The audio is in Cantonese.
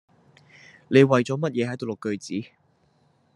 你為咗乜嘢喺度錄句子